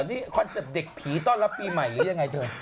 นี่คอนเซ็ปต์เด็กผีต้อนรับปีใหม่หรือยังไงเธอ